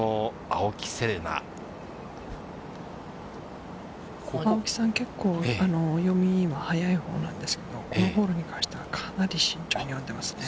青木さん、結構読みは速いほうなんですけど、このホールに関してはかなり慎重に読んでますね。